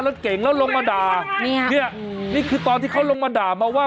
รถเก่งแล้วลงมาด่าเนี่ยนี่คือตอนที่เขาลงมาด่ามาว่า